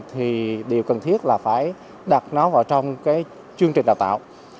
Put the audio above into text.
thì điều cần thiết là phải đặt nó vào trong cái chương trình đào tạo